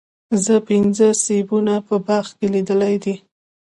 زه پنځه سیبونه په باغ کې لیدلي دي.